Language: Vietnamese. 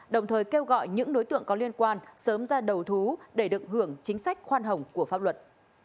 đồng thời kêu gọi những đối tượng có liên quan sớm ra đầu thú để được hưởng chính sách khoan hồng của pháp luật